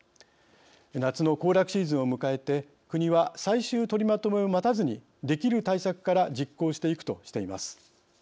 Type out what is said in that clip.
夏の行楽シーズンを迎えて国は最終とりまとめを待たずにできる対策から実行していくとしています。